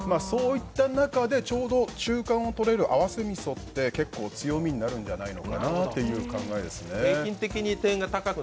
そういった中でちょうど中間をとれる合わせみそって結構強みになるんじゃないかなっていう考えですね。